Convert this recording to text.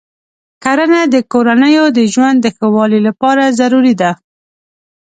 کرنه د کورنیو د ژوند د ښه والي لپاره ضروري ده.